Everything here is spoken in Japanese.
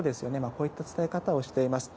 こういった伝え方をしています。